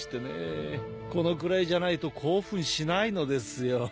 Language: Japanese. このくらいじゃないと興奮しないのですよ。